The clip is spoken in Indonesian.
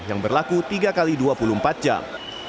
yang berlaku tiga x dua puluh empat jam